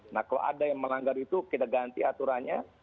nah kalau ada yang melanggar itu kita ganti aturannya